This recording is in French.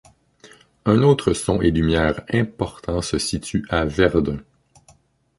Un autre son-et-lumière important se situe à Verdun.